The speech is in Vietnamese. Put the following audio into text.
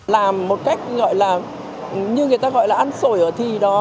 làm một cách như người ta gọi là ăn sổi ở thì đó